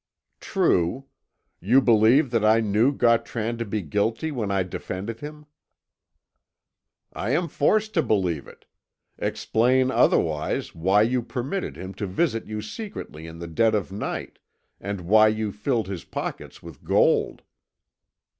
"True. You believe that I knew Gautran to be guilty when I defended him?" "I am forced to believe it. Explain, otherwise, why you permitted him to visit you secretly in the dead of night, and why you filled his pockets with gold."